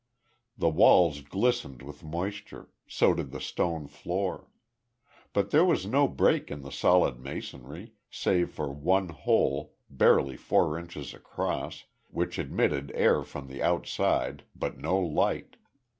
The walls glistened with moisture, so did the stone floor. But there was no break in the solid masonry, save for one hole, barely four inches across, which admitted air from the outside but no light.